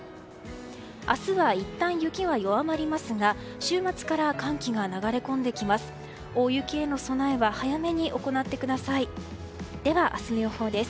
明日はいったん雪は弱まりますが週末から寒気が流れ込んできます。